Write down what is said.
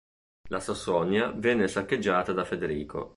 La Sassonia venne saccheggiata da Federico.